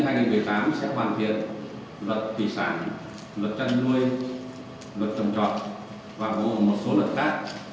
sẽ hoàn thiện luật tỷ sản luật chăn nuôi luật trầm trọt và một số luật khác